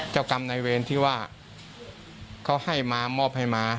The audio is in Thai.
เจ้ากรรมในเวรที่ว่าเขาให้มามอบให้มา